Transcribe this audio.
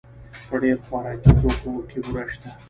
په ډېر خوراکي توکو کې بوره شته.